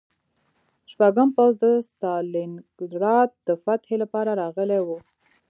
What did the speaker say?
شپږم پوځ د ستالینګراډ د فتحې لپاره راغلی و